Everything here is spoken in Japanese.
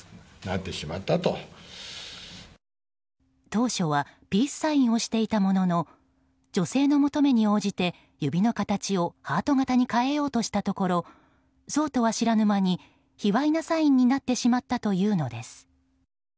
当初はピースサインをしていたものの女性の求めに応じて指の形をハート形に変えようとしたところそうとは知らぬ間に卑猥なサインになってしまったというのです。